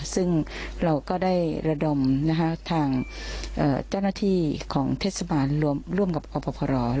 ซึ่งเราก็ได้ระดมทางเจ้าหน้าที่ของเทศบาลร่วมกับกรพ